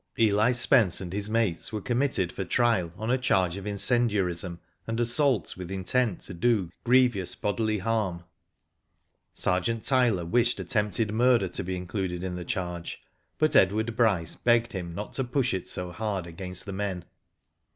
Eli Spence and his mates were committed for trial on a charge of incendiarism, and assault with intent to do grevious bodily harm. Sergeant Tyler wished attempted murder to be included in the charge, but Edward Bryce begged him not to push it so hard against the men.